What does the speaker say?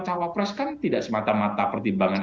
cawapres kan tidak semata mata pertimbangan